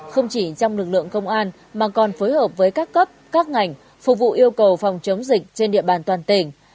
không chỉ trong lực lượng công an mà còn phối hợp với các cấp các ngành phục vụ yêu cầu phòng chống dịch trên địa bàn toàn tỉnh